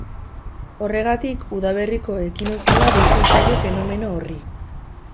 Horregatik, udaberriko ekinokzioa deitzen zaio fenomeno horri.